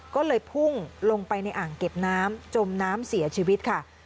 ก็เลยพุ่งลงไปในอ่างเก็บน้ำจมน้ำเสียชีวิตค่ะ